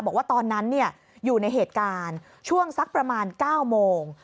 บอกว่าตอนนั้นอยู่ในเหตุการณ์ช่วงสักประมาณ๙โมง